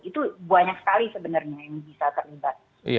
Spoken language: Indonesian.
itu banyak sekali sebenarnya yang bisa terlibat